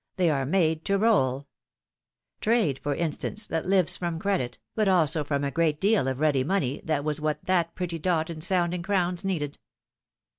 they are made to roll ! Trade, for instance, that lives from credit, but also from a great deal of ready money, that was what that pretty dot in sounding crowns needed